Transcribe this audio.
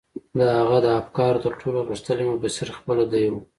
د هغه د افکارو تر ټولو غښتلی مفسر خپله دی و.